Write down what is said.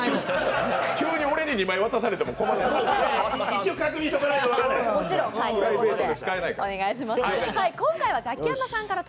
急に俺に２枚渡されても困るから。